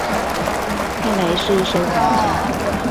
看來是收藏家